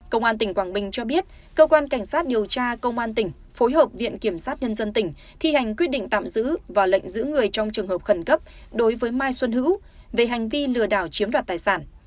công an tỉnh quảng bình cho biết cơ quan cảnh sát điều tra công an tỉnh phối hợp viện kiểm sát nhân dân tỉnh thi hành quyết định tạm giữ và lệnh giữ người trong trường hợp khẩn cấp đối với mai xuân hữu về hành vi lừa đảo chiếm đoạt tài sản